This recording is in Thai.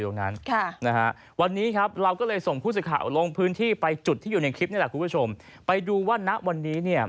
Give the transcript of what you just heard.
นี่แหละคุณผู้ชมไปดูว่าณวันนี้เนี่ย